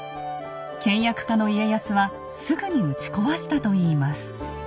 倹約家の家康はすぐに打ち壊したといいます。